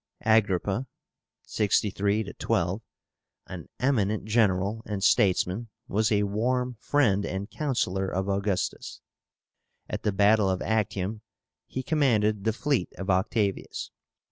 AGRIPPA (63 12), an eminent general and statesman, was a warm friend and counsellor of Augustus. At the battle of Actium he commanded the fleet of Octavius.